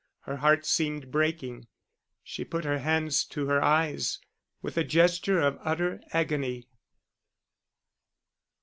Her heart seemed breaking. She put her hands to her eyes, with a gesture of utter agony.